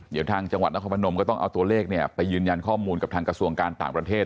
เดี๋ยวทางจังหวัดนครพนมก็ต้องเอาตัวเลขไปยืนยันข้อมูลกับทางกระทรวงการต่างประเทศ